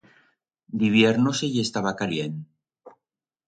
D'hibierno se i estaba calient.